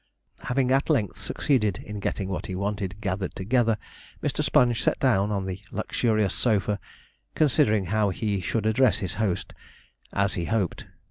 Having at length succeeded in getting what he wanted gathered together, Mr. Sponge sat down on the luxurious sofa, considering how he should address his host, as he hoped.